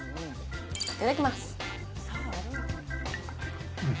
いただきます。